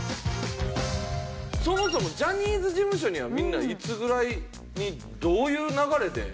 そもそもジャニーズ事務所にはみんないつぐらいにどういう流れで入るの？